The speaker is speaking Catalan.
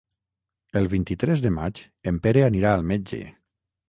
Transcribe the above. El vint-i-tres de maig en Pere anirà al metge.